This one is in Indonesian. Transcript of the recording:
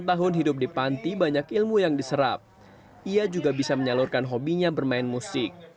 tahun hidup di panti banyak ilmu yang diserap ia juga bisa menyalurkan hobinya bermain musik